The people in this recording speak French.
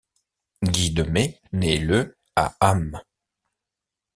Guy de Mey naît le à Hamme.